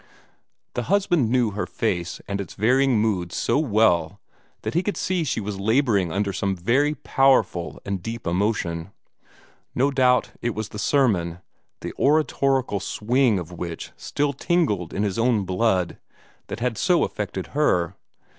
The husband knew her face and its varying moods so well that he could see she was laboring under some very powerful and deep emotion. No doubt it was the sermon, the oratorical swing of which still tingled in his own blood, that had so affected her.